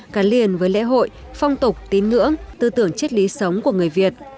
gắn liền với lễ hội phong tục tín ngưỡng tư tưởng chất lý sống của người việt